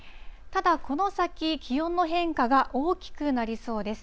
ただこの先、気温の変化が大きくなりそうです。